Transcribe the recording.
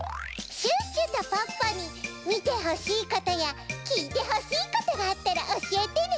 シュッシュとポッポにみてほしいことやきいてほしいことがあったらおしえてね！